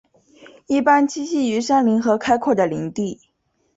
一般栖息于山林和开阔的林地。